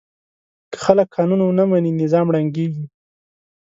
که خلک قانون ونه مني، نظام ړنګېږي.